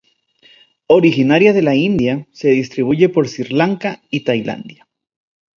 Originaria de la India, se distribuye por Sri Lanka y Tailandia.